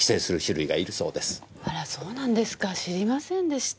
あらそうなんですか知りませんでした。